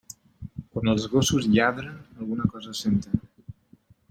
Quan els gossos lladren, alguna cosa senten.